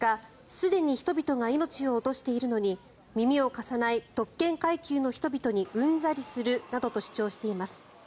すでに人々が命を落としているのに耳を貸さない特権階級の人々にうんざりするなどと主張しています。